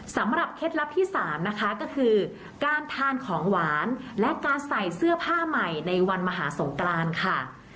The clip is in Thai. เคล็ดลับที่๓นะคะก็คือการทานของหวานและการใส่เสื้อผ้าใหม่ในวันมหาสงกรานค่ะ